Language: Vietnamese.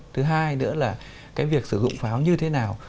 thứ hai nữa là cái việc sử dụng pháo như thế nào